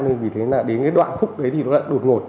nên vì thế đến đoạn khúc đấy thì nó đột ngột